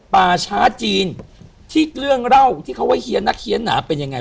ป่าช้าจีนที่เรื่องเล่าที่เขาว่าเฮียนักเฮียนหนาเป็นยังไง